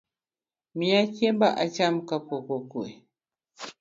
Miya chiemba acham kapok okue.